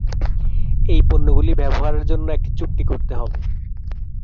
এই পণ্যগুলির ব্যবহারের জন্য একটি চুক্তি করতে হবে।